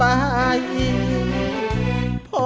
ไม่ใช้ครับไม่ใช้ครับ